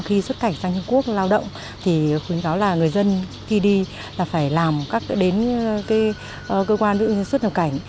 khi xuất cảnh sang trung quốc lao động thì khuyến cáo là người dân khi đi là phải làm đến cơ quan đưa xuất nhập cảnh